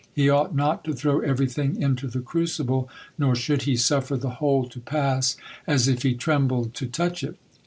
He ought not to throw everything into the crucible, nor should he suffer the whole to pass as if he trembled to touch it.